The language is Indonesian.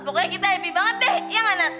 pokoknya kita happy banget deh ya gak nak